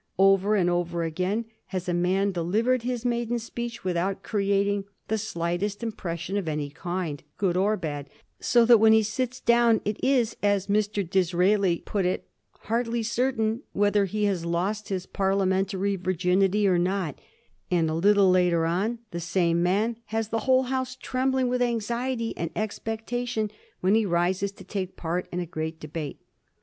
Over and over again has a man delivered his maiden speech without ci'eating the slightest impression of any kind, good or bad, so that when he sits down it is, as Mr. Disraeli put it, hardly certain whether he has lost his Parliamentary virginity or not; and a little later on the same man has the whole House trembling with anx iety and expectation when he rises to take part in a great debate.